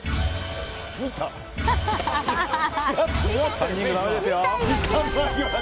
カンニングだめですよ。